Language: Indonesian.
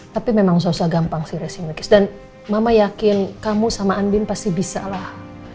tapi memang susah gampang sih resimikis dan mama yakin kamu sama andin pasti bisa lah